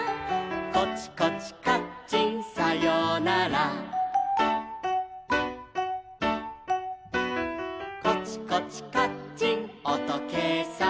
「コチコチカッチンさようなら」「コチコチカッチンおとけいさん」